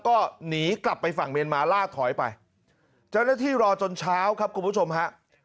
ก็หนีกลับไปฝั่งเมียนมาล่าถอยไปเจ้าหน้าที่รอจนเช้าครับคุณผู้ชมฮะ